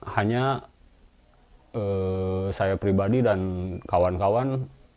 hanya saya pribadi dan kawan kawan